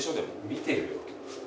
見てるよ。